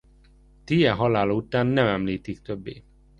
Tije halála után nem említik többé.